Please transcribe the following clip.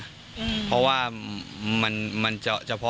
มันต้องการมาหาเรื่องมันจะมาแทงนะ